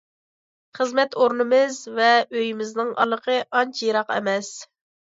خىزمەت ئورنىمىز ۋە ئۆيىمىزنىڭ ئارىلىقى ئانچە يىراق ئەمەس.